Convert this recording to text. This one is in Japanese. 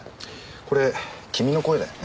これ君の声だよね？